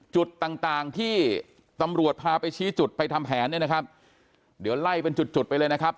จุดต่างต่างที่ตำรวจพาไปชี้จุดไปทำแผนเนี่ยนะครับเดี๋ยวไล่เป็นจุดจุดไปเลยนะครับ